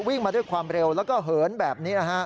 วิ่งมาด้วยความเร็วแล้วก็เหินแบบนี้นะฮะ